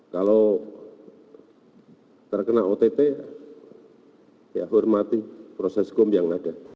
kalau terkena ott ya hormati proses hukum yang ada